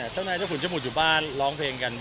เจ้านายเจ้าขุนเจ้าหุดอยู่บ้านร้องเพลงกัน